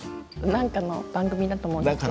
何かの番組だと思うんですけど。